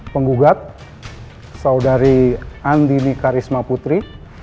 penggugat saudari andini karisma putri